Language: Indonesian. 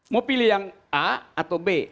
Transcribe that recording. mau pilih yang a atau b